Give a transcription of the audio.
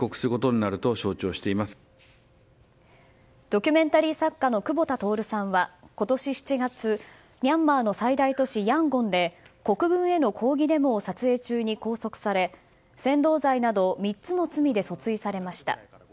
ドキュメンタリー作家の久保田徹さんは今年７月ミャンマーの最大都市ヤンゴンで国軍への抗議デモを撮影中に拘束され扇動罪など３つの罪で訴追されました。